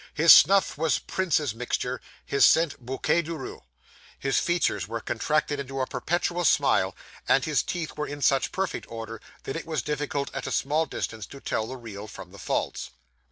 His snuff was princes' mixture; his scent bouquet du roi. His features were contracted into a perpetual smile; and his teeth were in such perfect order that it was difficult at a small distance to tell the real from the false.